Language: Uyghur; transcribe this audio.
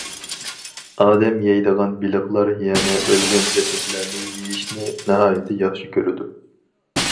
ئادەم يەيدىغان بېلىقلار يەنە ئۆلگەن جەسەتلەرنى يېيىشنى ناھايىتى ياخشى كۆرىدۇ.